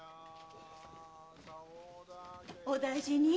お大事に。